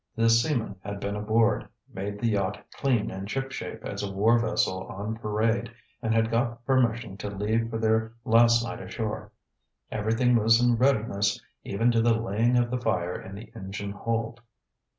The seamen had been aboard, made the yacht clean and shipshape as a war vessel on parade, and had got permission to leave for their last night ashore. Everything was in readiness, even to the laying of the fire in the engine hold.